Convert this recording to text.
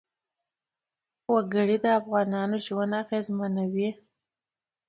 وګړي د افغانانو ژوند اغېزمن کوي.